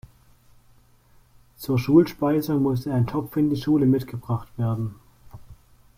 Zur Schulspeisung musste ein Topf in die Schule mitgebracht werden.